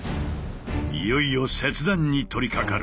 いよいよ切断に取りかかる。